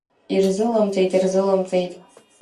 Ирзыламҵеит ирзыламҵеит.